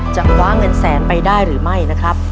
คว้าเงินแสนไปได้หรือไม่นะครับ